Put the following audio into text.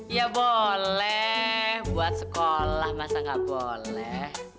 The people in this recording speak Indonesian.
iya boleh buat sekolah masa gak boleh